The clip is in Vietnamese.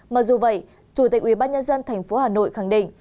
mặc dù vậy chủ tịch ubnd tp hà nội khẳng định